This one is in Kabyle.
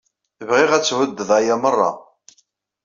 Bɣiɣ ad thuddeḍ aya merra.